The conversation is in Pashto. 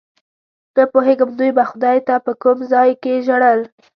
نه پوهېږم دوی به خدای ته په کوم ځای کې ژړل.